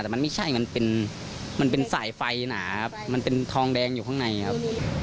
แต่มันไม่ใช่มันเป็นสายไฟหนาครับมันเป็นทองแดงอยู่ข้างในครับ